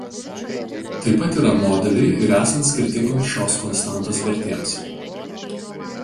Taip pat yra modeliai ir esant skirtingoms šios konstantos vertėms.